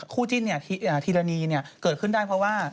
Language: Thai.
คู่จิ้นธีรณีเกิดขึ้นได้เพราะว่า